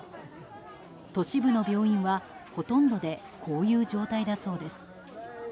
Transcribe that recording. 都市部の病院は、ほとんどでこういう状態だそうです。